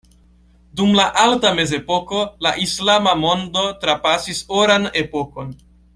Dum la Alta Mezepoko, la islama mondo trapasis oran epokon.